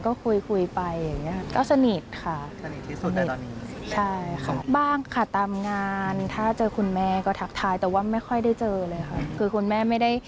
ก็คุยไปอย่างนี้ค่ะ